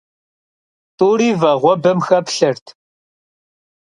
Тӏури вагъуэбэм хэплъэрт.